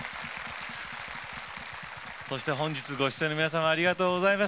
そして本日ご出演の皆様ありがとうございました。